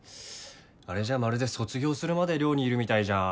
あれじゃまるで卒業するまで寮にいるみたいじゃん。